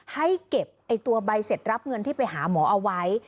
ให้เก็บตัวใบเสร็จรับเงินที่ไปหาหมอเอาไว้